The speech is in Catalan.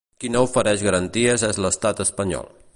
Qui no ofereix garanties és l’estat espanyol.